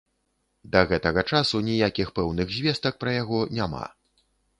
Да гэтага часу ніякіх пэўных звестак пра яго няма.